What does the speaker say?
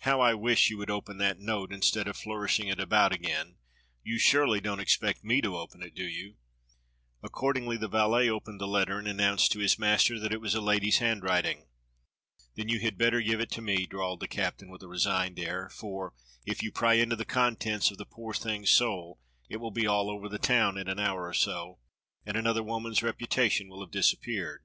How I wish you would open that note, instead of flourishing it about again. You surely don't expect me to open it, do you?" 2Q6 DOCTOR SYN Accordingly the valet opened the letter and announced to his master that it was a lady's handwriting. "Then you had better give it to me," drawled the captain with a resigned air, "for if you pry into the contents of the poor thing's soul, it will be all over the tow^n in an hour or so, and another woman's reputation w^ill have disappeared.